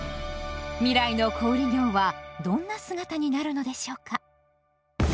未来の小売業はどんな姿になるのでしょうか？